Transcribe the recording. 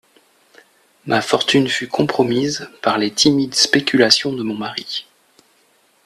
Ma fortune fut compromise par les timides spéculations de mon mari.